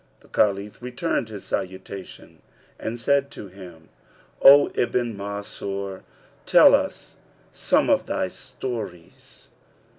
The Caliph returned his salutation and said to him, "O Ibn Mansur, tell us some of thy stories."